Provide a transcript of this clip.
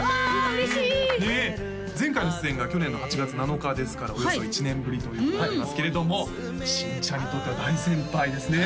嬉しい前回の出演が去年の８月７日ですからおよそ１年ぶりということになりますけれども新ちゃんにとっては大先輩ですね